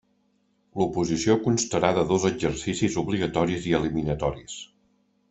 L'oposició constarà de dos exercicis obligatoris i eliminatoris.